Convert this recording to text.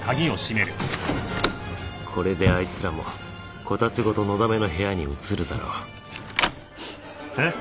これであいつらもこたつごとのだめの部屋に移るだろうえっ！？